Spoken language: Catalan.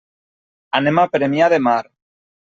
Anem a Premià de Mar.